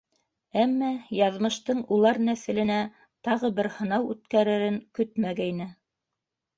Әммә яҙмыштың улар нәҫеленә тағы бер һынау үткәререн көтмәгәйне...